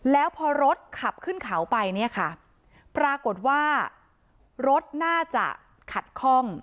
แล้วพอรถขับขึ้นเขาไปเนี่ยค่ะปรากฏว่ารถน่าจะขัดคล่อง